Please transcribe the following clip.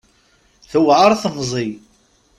Tewɛer temẓi.